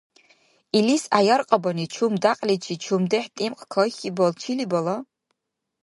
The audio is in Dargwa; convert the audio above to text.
Илис гӀяяркьянабани чум дякьличи чумдехӀ тӀимкь кайхьибал чили бала?!